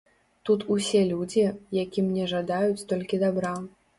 Тут усе людзі, які мне жадаюць толькі дабра.